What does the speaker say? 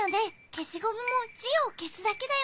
けしゴムもじをけすだけだよね？